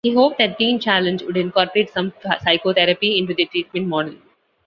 He hoped that Teen Challenge would incorporate some psychotherapy into their treatment model.